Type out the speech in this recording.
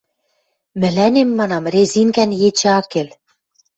— Мӹлӓнем, манам, резинкӓн ечӹ ак кел.